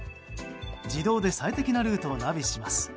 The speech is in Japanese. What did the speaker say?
自動で最適なルートをナビします。